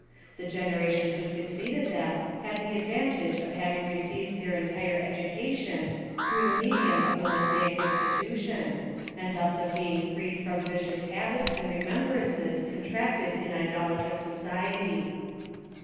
The generation who succeeded them had the advantage of having received their entire education through the medium of the Mosaic institution, and thus of being freed from vicious habits and remembrances contracted in idolatrous society.